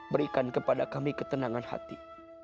berikan kepada kami ketenangan hati